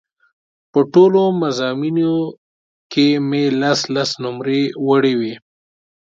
په ټولو مضامینو کې مې لس لس نومرې وړې وې.